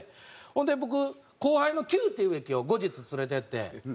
ほんで僕後輩のキューティー上木を後日連れて行って。